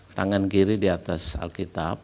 tangan kiri di atas alkitab